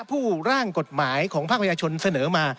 ผู้ร่างกฎหมายของภาคประชาชนเสนอมา